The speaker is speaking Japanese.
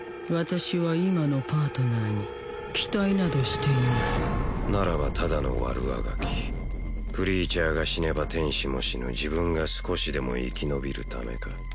私は今のパートナーに期待などしていないならばただの悪あがきクリーチャーが死ねば天使も死ぬ自分が少しでも生き延びるためか？